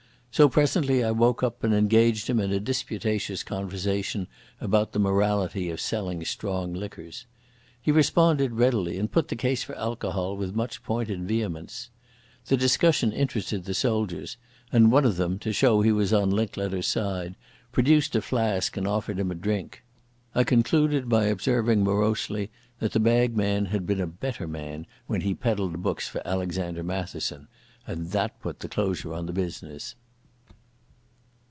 So, presently, I woke up and engaged him in a disputatious conversation about the morality of selling strong liquors. He responded readily, and put the case for alcohol with much point and vehemence. The discussion interested the soldiers, and one of them, to show he was on Linklater's side, produced a flask and offered him a drink. I concluded by observing morosely that the bagman had been a better man when he peddled books for Alexander Matheson, and that put the closure on the business.